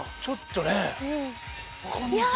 ちょっとね。